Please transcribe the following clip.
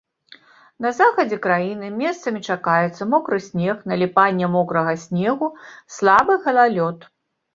Па захадзе краіны месцамі чакаецца мокры снег, наліпанне мокрага снегу, слабы галалёд.